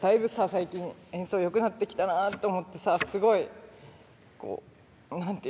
最近演奏良くなってきたなって思ってさすごいこうなんていう。